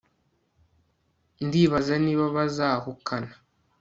ndibaza niba bazahukana